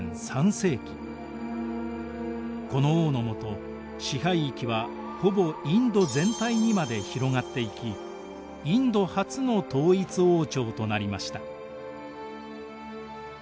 この王のもと支配域はほぼインド全体にまで広がっていきインド初の統一王朝となりました。